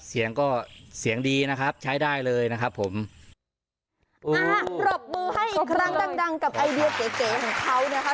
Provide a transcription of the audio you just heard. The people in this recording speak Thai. เสียงก็เสียงดีนะครับใช้ได้เลยนะครับผมอ่าปรบมือให้อีกครั้งดังดังกับไอเดียเก๋เก๋ของเขานะคะ